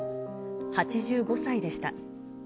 ８５歳でした。